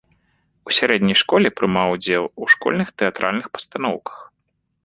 У сярэдняй школе прымаў удзел у школьных тэатральных пастаноўках.